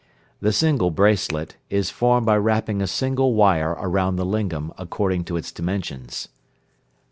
"The single bracelet" is formed by wrapping a single wire around the lingam, according to its dimensions.